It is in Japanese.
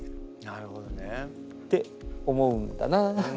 なるほどね。って思うんだなあ。